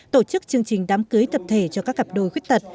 tổ chức chương trình đám cưới tập thể cho các cặp đôi khuyết tật